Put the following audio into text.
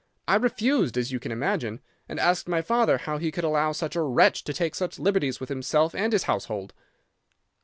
I refused, as you can imagine, and asked my father how he could allow such a wretch to take such liberties with himself and his household.